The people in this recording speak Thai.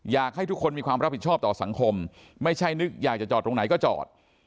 อยากให้ทุกคนมีความรับผิดชอบต่อสังคมไม่ใช่นึกอยากจะจอดตรงไหนก็จอด